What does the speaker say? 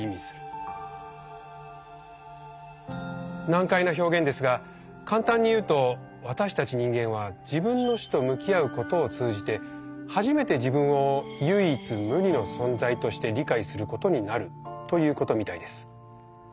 難解な表現ですが簡単に言うと私たち人間は自分の死と向き合うことを通じて初めて自分を「唯一無二の存在」として理解することになるということみたいです。